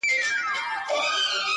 ځي پلو لره دې لاس بې اختیاره